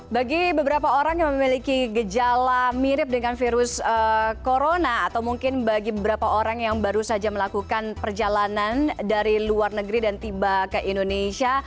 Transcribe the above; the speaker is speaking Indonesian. bagi beberapa orang yang memiliki gejala mirip dengan virus corona atau mungkin bagi beberapa orang yang baru saja melakukan perjalanan dari luar negeri dan tiba ke indonesia